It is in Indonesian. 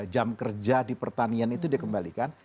jam kerja di pertanian itu dikembalikan